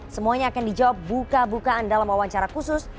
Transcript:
semuanya akan dijawab buka bukaan dalam wawancara khusus